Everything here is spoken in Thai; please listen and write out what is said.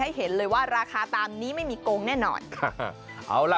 ไปเจอบริเวณศาลาบ่อเลี้ยงปลาจนตายแล้วไปตีจนตายนี่แหละ